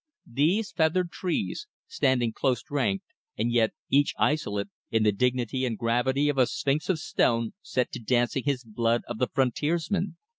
These feathered trees, standing close ranked and yet each isolate in the dignity and gravity of a sphinx of stone set to dancing his blood of the frontiersman.